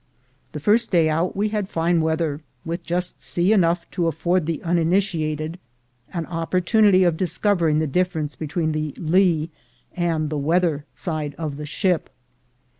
The first day out we had fine weather, with just sea enough to afford the uninitiated an opportunity of discovering the difference between the lee and the weather side of the ship.